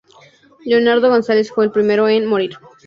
Leonardo González fue el primero en morir.